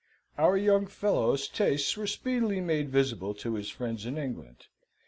Our young fellow's tastes were speedily made visible to his friends in England.